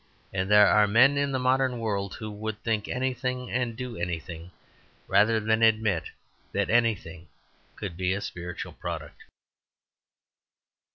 And there are men in the modern world who would think anything and do anything rather than admit that anything could be a spiritual product.